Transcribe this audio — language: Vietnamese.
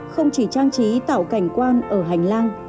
không chỉ trang trí tạo cảnh quan ở hành lang